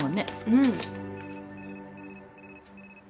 うん。